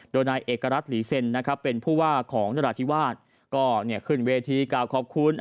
โดยนายเอกรัฐหลีเซ็นนะครับเป็นผู้ว่าของนราธิวาสก็ขึ้นเวทีกล่าวขอบคุณ